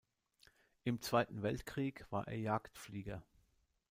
Im Zweiten Weltkrieg war er Jagdflieger.